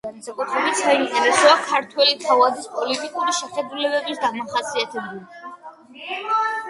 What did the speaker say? თხზულება განსაკუთრებით საინტერესოა ქართველი თავადის პოლიტიკური შეხედულებების დასახასიათებლად.